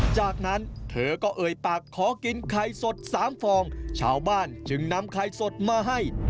จากนั้นเธอก็เอ่ยปากขอกินไข่สดสามฟองชาวบ้านจึงนำไข่สดมาให้